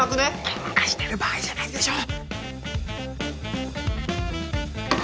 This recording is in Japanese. ケンカしてる場合じゃないでしょ！